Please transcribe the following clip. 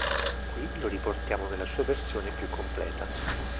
Qui lo riportiamo nella sua versione più completa.